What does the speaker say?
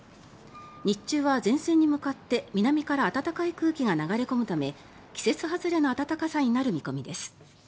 日中は前線に向かって南から暖かい空気が流れ込むため季節外れの暖かさになる見込みです。